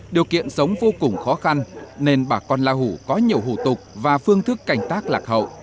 điều kiện sống vô cùng khó khăn nên bà con la hủ có nhiều hủ tục và phương thức canh tác lạc hậu